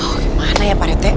oh gimana ya pak rete